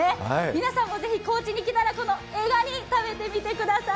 皆さんもぜひ、高知に来たらこのエガニ、食べてみてくだい。